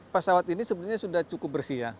pesawat ini sebenarnya sudah cukup bersih ya